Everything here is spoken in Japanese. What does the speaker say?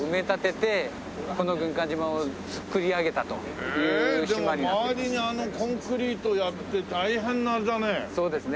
ええでも周りにあのコンクリートやって大変なあれだね。